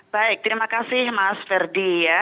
baik terima kasih mas ferdi ya